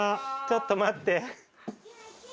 ちょっと待って。